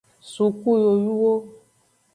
Suku yoyuwo.